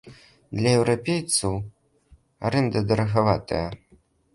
Для еўрапейцаў арэнда дарагаватая.